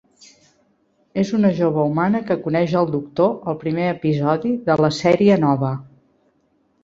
És una jove humana que coneix el Doctor al primer episodi de la sèrie nova.